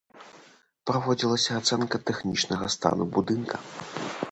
Праводзілася ацэнка тэхнічнага стану будынка.